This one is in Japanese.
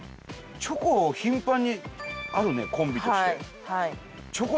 チョコ頻繁にあるねコンビとして。